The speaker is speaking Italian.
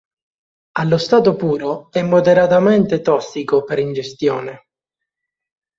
Allo stato puro, è moderatamente tossico per ingestione.